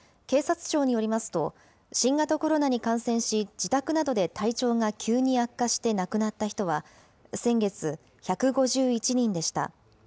警察庁によりますと、新型コロナに感染し、自宅などで体調が急に悪化して亡くなった人は、先月１５１人でした。